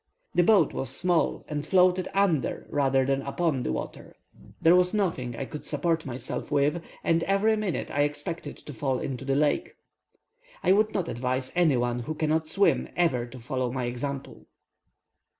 The boat was small, and floated under rather than upon the water there was nothing I could support myself with, and every minute I expected to fall into the lake. I would not advise any one who cannot swim ever to follow my example.